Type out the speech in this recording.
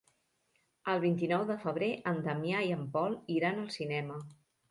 El vint-i-nou de febrer en Damià i en Pol iran al cinema.